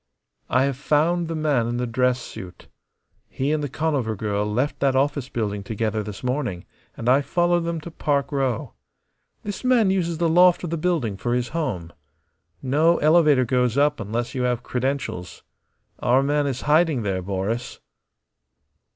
"I have found the man in the dress suit." "He and the Conover girl left that office building together this morning, and I followed them to Park Row. This man uses the loft of the building for his home. No elevator goes up unless you have credentials. Our man is hiding there, Boris."